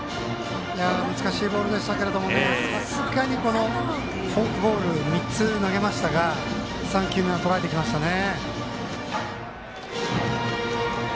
難しいボールでしたけどフォークボール３つ投げましたが３球目は、とらえてきましたね。